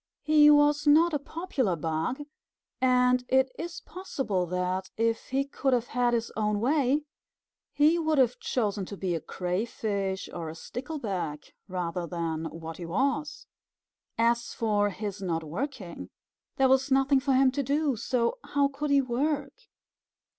He was not a popular bug, and it is possible that if he could have had his own way, he would have chosen to be a Crayfish or a Stickleback, rather than what he was. As for his not working there was nothing for him to do, so how could he work?